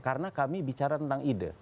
karena kami bicara tentang ide